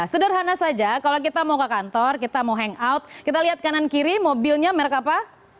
sederhana saja kalau kita mau ke kantor kita mau hangout kita lihat kanan kiri mobilnya merek apa